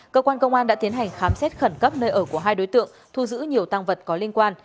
cơ quan công an đã tiến hành khám xét khẩn cấp nơi ở của hai đối tượng thu giữ nhiều tăng vật có liên quan